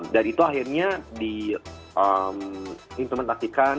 dan itu akhirnya di implementasikan